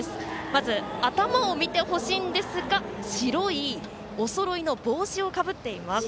まず頭を見てほしいのですが白いおそろいの帽子をかぶっています。